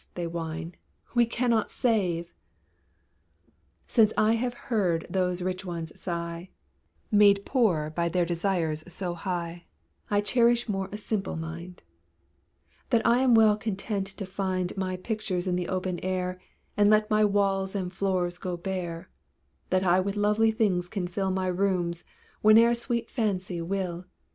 they whine, "we cannot save." Since I have heard those rich ones sigh, Made poor by their desires so high, I cherish more a simple mind; That I am well content to find My pictures in the open air, And let my walls and floors go bare; That I with lovely things can fill My rooms, whene'er sweet Fancy will.